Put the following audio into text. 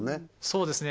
そうですね